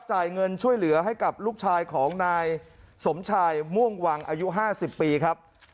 จ่ายเงินช่วยเหลือให้กับลูกชายของนายสมชายม่วงวังอายุ๕๐ปีครับ